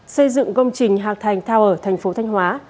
xây dựng công trình hạc thành tower thành phố thanh hóa